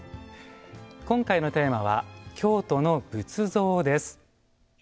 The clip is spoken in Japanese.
今回のテーマは「京都の仏像」です。